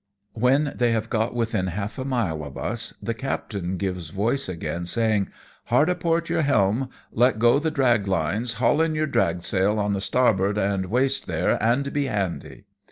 When they have got within half a mile of us the captain gives voice again, saying, " Hard a port your helm, let go the drag lines, haul in your drag sail on the starboard waist there, and be handy."